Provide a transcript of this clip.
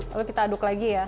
lalu kita aduk lagi ya